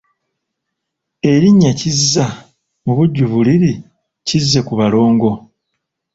Erinnya Kizza mubujjuvu liri Kizzekubalongo.